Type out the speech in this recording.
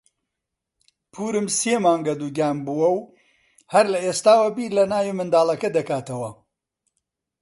پوورم سێ مانگە دووگیان بووە و هەر لە ئێستاوە بیر لە ناوی منداڵەکە دەکاتەوە.